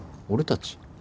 俺たち？